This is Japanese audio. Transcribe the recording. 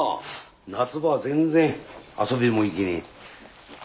夏場全然遊びも行けねえ。